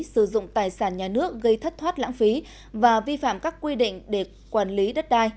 sử dụng tài sản nhà nước gây thất thoát lãng phí và vi phạm các quy định để quản lý đất đai